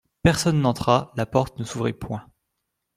Personne n'entra ; la porte ne s'ouvrit point.